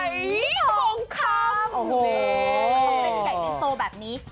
โอ้โหเรียกใหญ่เป็นโตแบบนี้